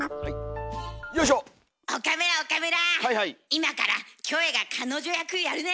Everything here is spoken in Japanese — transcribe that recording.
今からキョエが彼女役やるね。